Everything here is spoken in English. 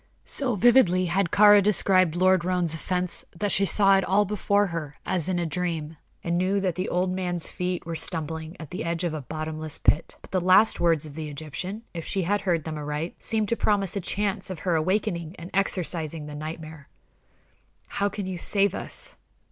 So vividly had Kāra described Lord Roane's offense, that she saw it all before her as in a dream, and knew that the old man's feet were stumbling at the edge of a bottomless pit. But the last words of the Egyptian, if she heard them aright, seemed to promise a chance of her awakening and exorcising the nightmare. "How can you save us?"